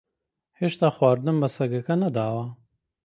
ھێشتا خواردنم بە سەگەکە نەداوە.